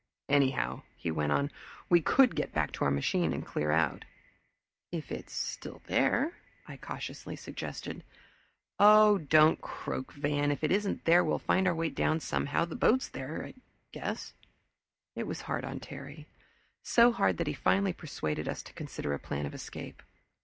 "Anyhow," he went on, "we could get back to our machine and clear out." "If it's there," I cautiously suggested. "Oh, don't croak, Van! If it isn't there, we'll find our way down somehow the boat's there, I guess." It was hard on Terry, so hard that he finally persuaded us to consider a plan of escape.